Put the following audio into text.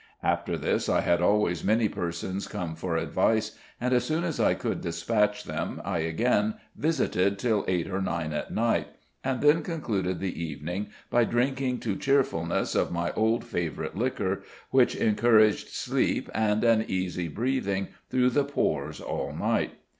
After this I had always many persons come for advice, and as soon as I could dispatch them I again visited till eight or nine at night, and then concluded the evening by drinking to cheerfulness of my old favourite liquor, which encouraged sleep and an easy breathing through the pores all night.